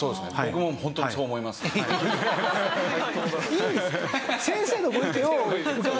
いいんですよ。